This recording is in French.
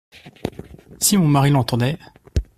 Si mon mari l’entendait !